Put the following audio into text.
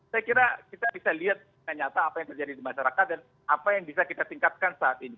saya kira kita bisa lihat nyata apa yang terjadi di masyarakat dan apa yang bisa kita tingkatkan saat ini